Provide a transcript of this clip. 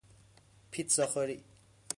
پیتزا خوری